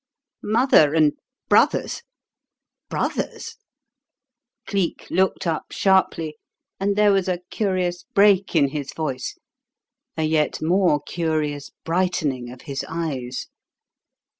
"Mother and brothers? brothers?" Cleek looked up sharply, and there was a curious break in his voice, a yet more curious brightening of his eyes.